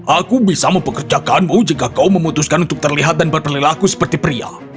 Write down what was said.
aku bisa mempekerjakanmu jika kau memutuskan untuk terlihat dan berperilaku seperti pria